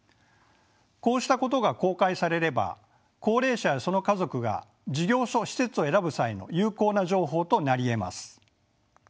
こうしたことが公開されれば高齢者やその家族が事業所・施設を選ぶ際の有効な情報となりえます。